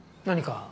何か？